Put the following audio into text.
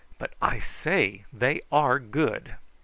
But, I say, they are good!"